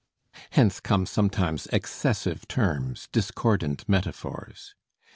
Hence come sometimes excessive terms, discordant metaphors.